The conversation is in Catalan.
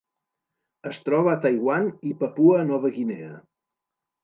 Es troba a Taiwan i Papua Nova Guinea.